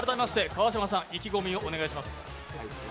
川島さん意気込みをお願いします。